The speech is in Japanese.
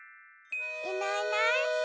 いないいない。